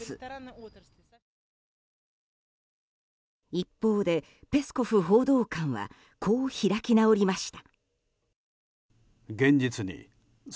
一方でペスコフ報道官はこう開き直りました。